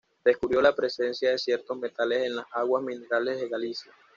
Descubrió la presencia de ciertos metales en las aguas minerales de Galicia.